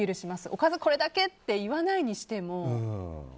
おかずこれだけ？って言わないにしても。